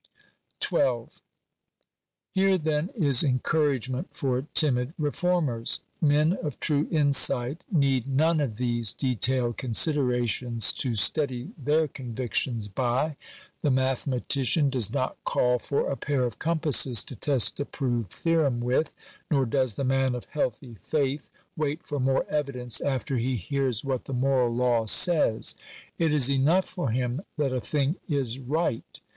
§ 12. Here then is encouragement for timid reformers. Men of true insight need none of these detailed considerations to steady their convictions by. The mathematician does not call for a pair of compasses to test a proved theorem with ; nor does the man of healthy faith wait for more evidence after he hears what the moral law says. It is enough for him that a thing is right.